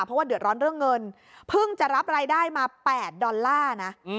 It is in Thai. เพราะว่าเดือดร้อนเรื่องเงินเพิ่งจะรับรายได้มา๘ดอลลาร์นะ